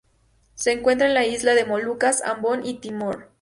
Se encuentra en la isla de Molucas, Ambon y Timor.